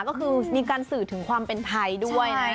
ก็คือมีการสื่อถึงความเป็นไทยด้วยนะ